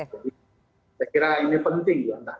jadi saya kira ini penting juga